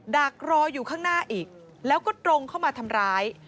ดักรออยู่ข้างหน้าอีกแล้วก็ตรงเข้ามาทำร้าย